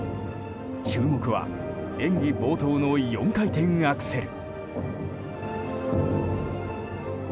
注目は演技冒頭の４回転アクセル。